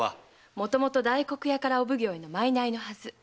もともと大黒屋からお奉行への賂のはず。